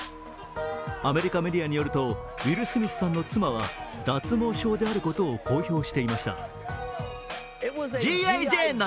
アメリカメディアによるとウィル・スミスさんの妻は脱毛症であることを公表していました。